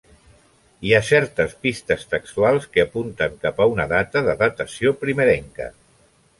Hi ha certes pistes textuals que apunten cap a una data de datació primerenca.